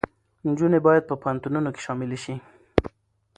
نجونې باید په پوهنتونونو کې هم شاملې شي.